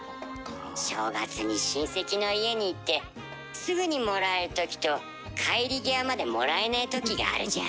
正月に親戚の家に行ってすぐにもらえるときと帰り際までもらえねえときがあるじゃん。